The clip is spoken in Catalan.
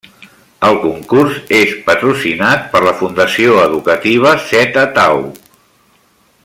El concurs és patrocinat per la Fundació Educativa Theta Tau.